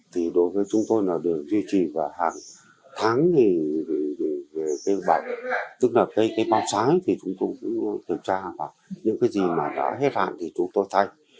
thì đối với chúng tôi là được duy trì vào hàng tháng tức là cái báo cháy thì chúng tôi cũng kiểm tra những cái gì mà đã hết hạn thì chúng tôi thay